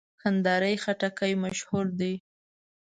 کندهاري خټکی مشهور دی.